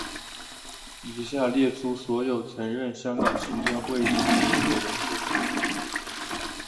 以下列出所有曾任香港行政会议成员的人士。